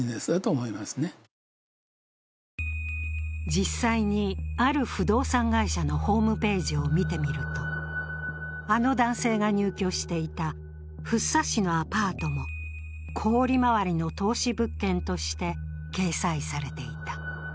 実際に、ある不動産会社のホームページを見てみるとあの男性が入居していた福生市のアパートも高利回りの投資物件として掲載されていた。